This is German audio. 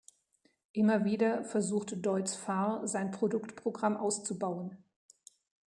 Immer wieder versuchte Deutz-Fahr sein Produktprogramm auszubauen.